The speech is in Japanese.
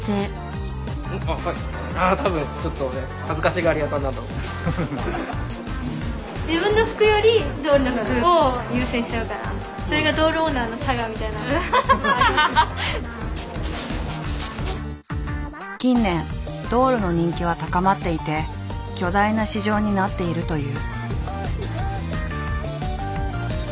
たぶん近年ドールの人気は高まっていて巨大な市場になっているという。